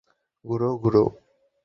ঘুরো, ঘুরো।